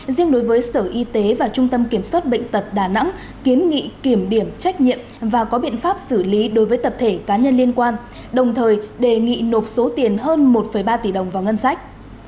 riêng đối với sở y tế và trung tâm kiểm soát bệnh tật đà nẵng kiến nghị kiểm điểm trách nhiệm và có biện pháp xử lý đối với tập thể cá nhân liên quan đồng thời đề nghị nộp số tiền hơn một ba tỷ đồng vào ngân sách